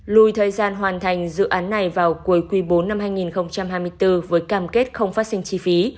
lùi thời gian hoàn thành dự án này vào cuối quy bốn năm hai nghìn hai mươi bốn với cam kết không phát sinh chi phí